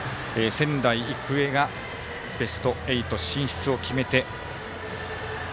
仙台育英がベスト８進出を決めて。